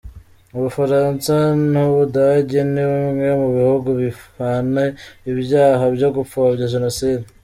U Bufaransa n’u Budage ni bimwe mu bihugu bihana ibyaha byo gupfobya Jenoside.